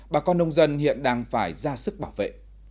bà con nông dân hiện đang phải ra sức bảo vệ